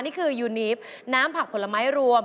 นี่คือยูนีฟน้ำผักผลไม้รวม